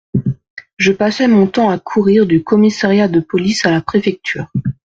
Je passais mon temps à courir du commissariat de police à la préfecture.